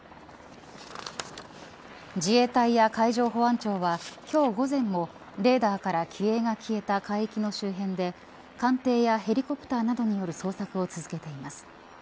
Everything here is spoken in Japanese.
自衛隊や海上保安庁は今日、午前もレーダーから機影が消えた海域の周辺で艦艇やヘリコプターなどによる捜索を続けています。